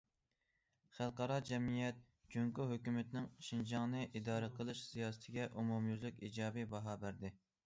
خەلقئارا جەمئىيەت جۇڭگو ھۆكۈمىتىنىڭ شىنجاڭنى ئىدارە قىلىش سىياسىتىگە ئومۇميۈزلۈك ئىجابىي باھا بەردى.